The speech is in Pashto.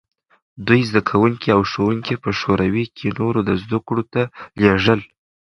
دوی زدکوونکي او ښوونکي په شوروي کې نورو زدکړو ته لېږل.